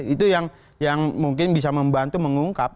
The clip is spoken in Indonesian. itu yang mungkin bisa membantu mengungkap